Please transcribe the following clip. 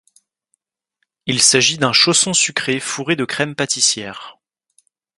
Il s'agit d'un chausson sucré fourré de crème pâtissière.